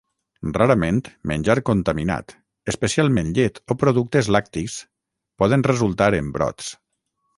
Rarament, menjar contaminat, especialment llet o productes lactis, poden resultar en brots.